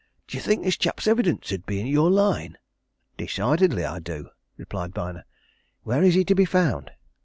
"D'yer think this chap's evidence 'ud be i' your line?" "Decidedly I do!" replied Byner. "Where is he to be found?"